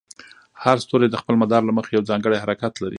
هر ستوری د خپل مدار له مخې یو ځانګړی حرکت لري.